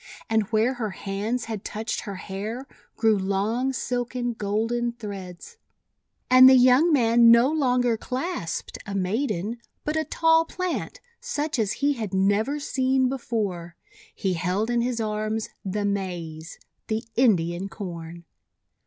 And where her hands had touched her hair, grew long, silken, golden threads. And the young man no longer clasped a RAM WITH GOLDEN FLEECE 383 maiden, but a tall plant, such as he had never seen before. He held in his arms the Maize — the Indian Corn!